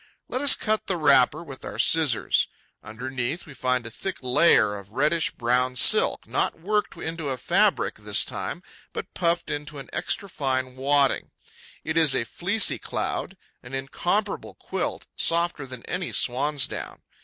Let us cut the wrapper with our scissors. Underneath, we find a thick layer of reddish brown silk, not worked into a fabric this time, but puffed into an extra fine wadding. It is a fleecy cloud, an incomparable quilt, softer than any swan's down.